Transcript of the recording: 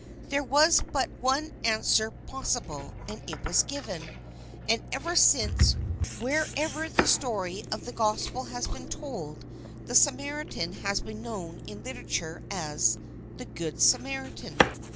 There was but one answer pos sible and it was given; and ever since wher ever the story of the Gospel has been told the Samaritan has been known in literature as " The Good Samaritan."